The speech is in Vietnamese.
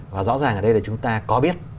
và rõ ràng ở đây là chúng ta có biết